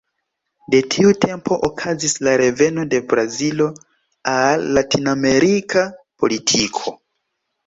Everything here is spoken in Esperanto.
De tiu tempo okazis la reveno de Brazilo al latinamerika politiko.